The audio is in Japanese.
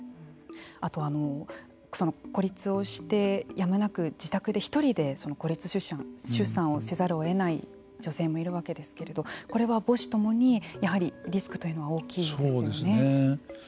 あと、孤立をしてやむなく自宅で一人で孤立出産をせざるを得ない女性もいるわけですけれどもこれは母子ともにやはりリスクというのは大きいですよね。